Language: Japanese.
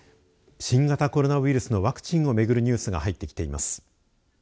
新型コロナウイルスのワクチンを巡るニュースが入ってきています。